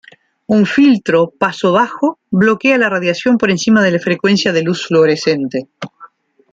Un filtro paso-bajo bloquea la radiación por encima de la frecuencia de luz fluorescente.